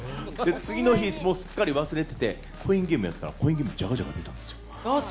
次の日、そこすっかり忘れてて、コインゲームやったら、コインゲーム、じゃかじゃか出たんですよ。